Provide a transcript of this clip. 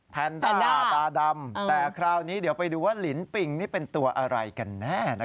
แพนด้าตาดำแต่คราวนี้เดี๋ยวไปดูว่าลินปิงนี่เป็นตัวอะไรกันแน่